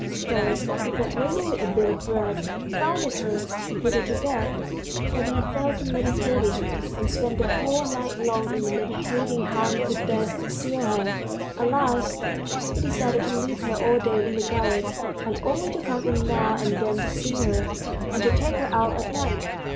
First he fed Mumu with a bit of bread, fondled her, and put her to bed, then he fell to meditating, and spent the whole night long in meditating how he could best conceal her. At last he decided to leave her all day in the garret, and only to come in now and then to see her, and to take her out at night.